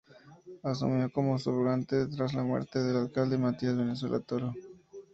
Asumió como subrogante tras la muerte del alcalde Matías Valenzuela Toro.